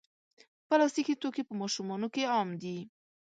پلاستيکي توکي په ماشومانو کې عام دي.